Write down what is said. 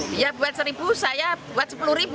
dia buat satu saya buat sepuluh